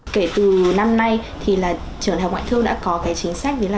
kể từ năm nay trường học ngoại thương đã có chính sách